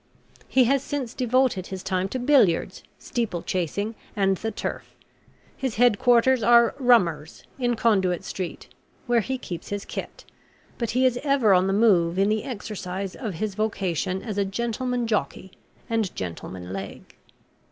He has since devoted his time to billiards, steeple chasing, and the turf. His head quarters are 'Rummer's,' in Conduit Street, where he keeps his kit; but he is ever on the move in the exercise of his vocation as a gentleman jockey and gentleman leg.